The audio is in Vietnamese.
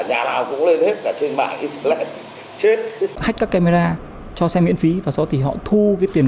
nhà nào cũng lên hết cả trên mạng chết hách các camera cho xem miễn phí và sau thì họ thu cái tiền